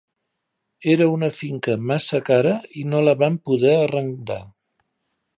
Era una finca massa cara i no la vam poder arrendar.